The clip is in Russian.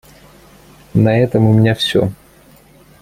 На этом у меня все.